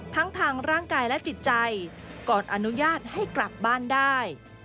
ทั้งทางร่างกายและจิตใจก่อนอนุญาตให้กลับบ้านได้